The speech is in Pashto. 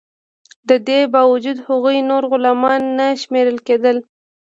د دې باوجود هغوی نور غلامان نه شمیرل کیدل.